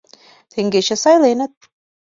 Теҥгече сайленыт.